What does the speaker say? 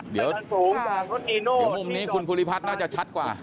เดี๋ยวมุมนี้คุณภูริพัฒน์น่าจะชัดกว่า